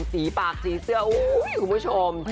สีปากสีเสื้ออุ้ยคุณผู้ชม